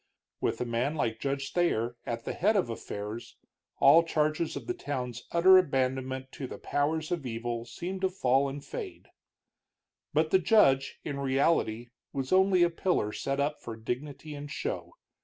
With a man like Judge Thayer at the head of affairs, all charges of the town's utter abandonment to the powers of evil seemed to fall and fade. But the judge, in reality, was only a pillar set up for dignity and show.